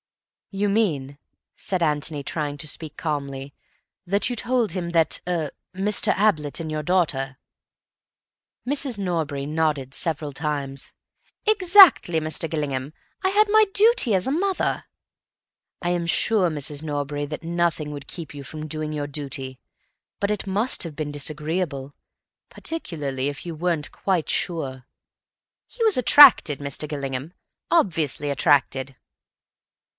"You mean," said Antony, trying to speak calmly, "that you told him that—er—Mr. Ablett and your daughter—?" Mrs. Norbury nodded several times. "Exactly, Mr. Gillingham. I had my duty as a mother." "I am sure, Mrs. Norbury, that nothing would keep you from doing your duty. But it must have been disagreeable. Particularly if you weren't quite sure—" "He was attracted, Mr. Gillingham. Obviously attracted."